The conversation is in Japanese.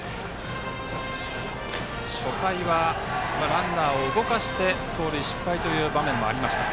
初回はランナーを動かして盗塁失敗の場面がありました。